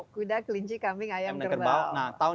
kuda kelinci kambing ayam kerbau